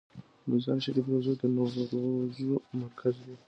د مزار شریف روضه د نوروز مرکز دی